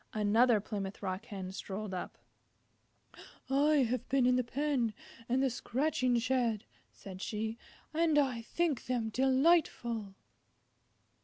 Another Plymouth Rock Hen strolled up. "I have been in the pen and the scratching shed," said she, "and I think them delightful."